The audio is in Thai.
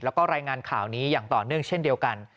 แล้วก็รายงานข่าวนี้อย่างต่อเนื่องเช่นเดียวกัน